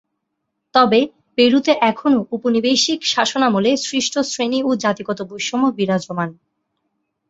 তবে পেরুতে এখনও ঔপনিবেশিক শাসনামলে সৃষ্ট শ্রেণী ও জাতিগত বৈষম্য বিরাজমান।